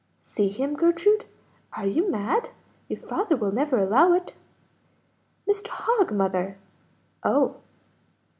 "See him? Gertrude, are you mad? Your father will never allow it." "Mr. Hogg, mother." "Oh!"